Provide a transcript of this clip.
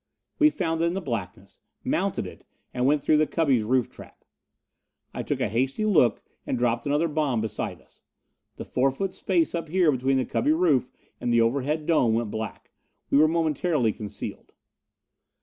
We found it in the blackness, mounted it and went through the cubby's roof trap. I took a hasty look and dropped another bomb beside us. The four foot space up here between the cubby roof and the overhead dome went black. We were momentarily concealed.